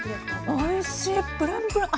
おいしいプルンプルン。